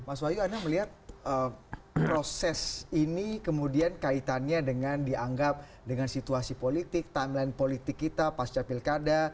mas wahyu anda melihat proses ini kemudian kaitannya dengan dianggap dengan situasi politik timeline politik kita pasca pilkada